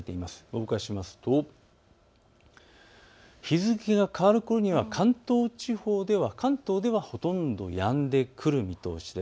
動かしますと日付が変わるころには関東ではほとんどやんでくる見通しです。